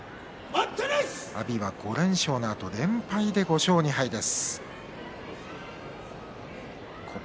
阿炎は５連勝のあと連敗で５勝２敗です。